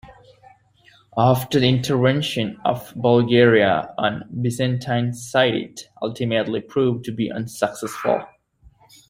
After the intervention of Bulgaria on Byzantine side it ultimately proved to be unsuccessful.